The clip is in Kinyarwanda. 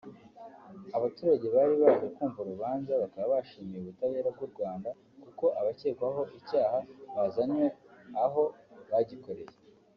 Abaturage bari baje kumva urubanza bakaba bashimiye ubutabera bw’u Rwanda kuko abakekwaho icyaha bazanywe aho bagikoreye